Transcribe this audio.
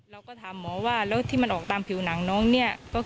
เราก็ถามหมอว่าละที่มันออกตามผิวหนังวันนี้ก็คืออะไร